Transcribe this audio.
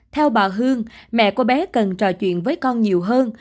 theo bà hương mẹ của bé cần trò chuyện với con nhiều hơn